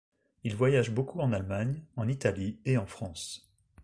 Il voyage beaucoup en Allemagne, en Italie et en France.